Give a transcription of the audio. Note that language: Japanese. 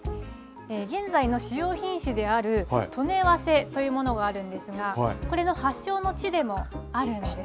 現在の主要品種である刀根早生というものがあるんですがこれの発祥の地でもあるんです。